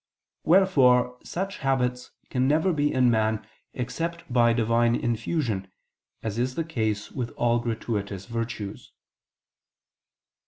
Wherefore such habits can never be in man except by Divine infusion, as is the case with all gratuitous virtues.